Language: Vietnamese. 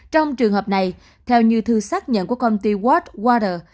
trong trường hợp này theo như thư xác nhận của công ty watt water